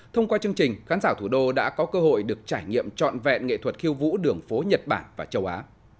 thông qua chương trình khán giả thủ đô đã có cơ hội được trải nghiệm trọn vẹn nghệ thuật khiêu vũ đường phố nhật bản và châu á